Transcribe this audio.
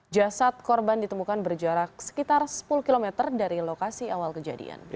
jasad korban ditemukan berjarak sekitar sepuluh km dari lokasi awal kejadian